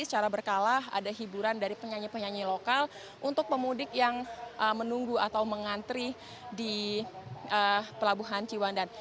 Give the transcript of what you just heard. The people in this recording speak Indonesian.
secara berkala ada hiburan dari penyanyi penyanyi lokal untuk pemudik yang menunggu atau mengantri di pelabuhan ciwandan